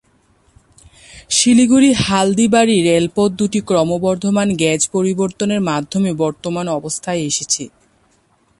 শিলিগুড়ি-হালদিবাড়ি রেলপথ দুটি ক্রমবর্ধমান গেজ পরিবর্তনের মাধ্যমে বর্তমান অবস্থায় এসেছে।